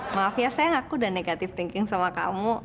maaf ya sayang aku udah negative thinking sama kamu